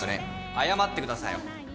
謝ってください。